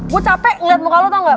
gue capek ngeliat muka lo tau gak